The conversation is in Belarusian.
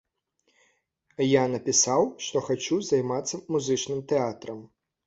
Я напісаў, што хачу займацца музычным тэатрам.